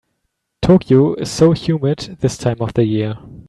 Tokyo is so humid this time of year.